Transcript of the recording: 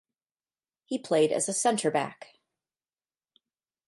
He played as a centre back.